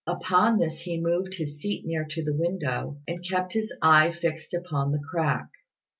Upon this he moved his seat near to the window, and kept his eye fixed upon the crack.